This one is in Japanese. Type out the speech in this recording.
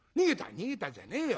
「逃げたんじゃねえよ。